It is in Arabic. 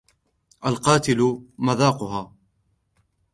الْقَاتِلِ مَذَاقُهَا